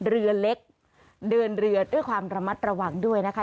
เรือเล็กเดินเรือด้วยความระมัดระวังด้วยนะคะ